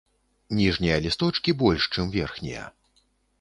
Ніжнія лісточкі больш, чым верхнія.